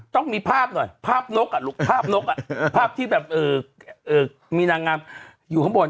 ต้องมีภาพนกครัวภาพที่มีนางงามอยู่ข้างบน